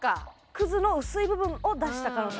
クズの薄い部分を出した可能性もある。